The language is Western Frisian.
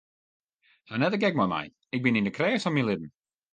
Haw net de gek mei my, ik bin yn de krêft fan myn libben.